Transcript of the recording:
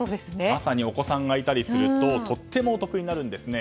まさにお子さんがいたりするととてもお得になるんですね。